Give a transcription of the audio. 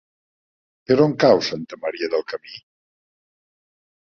Per on cau Santa Maria del Camí?